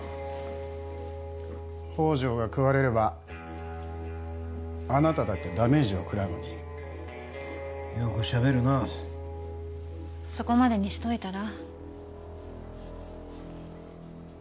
宝条が喰われればあなただってダメージを食らうのによくしゃべるなそこまでにしといたら？